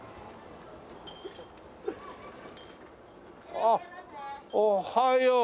あっおはよう。